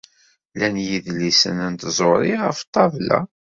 Llan yidlisen n tẓuri ɣef ṭṭabla.